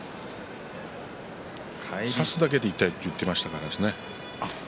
差すだけで痛いって言っていましたからね